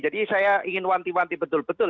jadi saya ingin wanti wanti betul betul